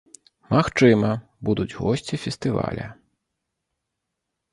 Магчыма, будуць госці фестываля.